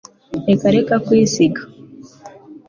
reka reka kwisiga